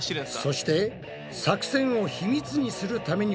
そして作戦を秘密にするために置かれた壁。